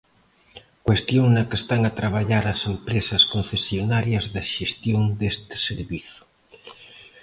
Cuestión na que están a traballar as empresas concesionarias da xestión deste servizo.